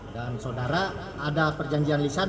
dan saudara ada perjanjian lisan